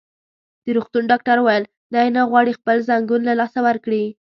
د روغتون ډاکټر وویل: دی نه غواړي خپل ځنګون له لاسه ورکړي.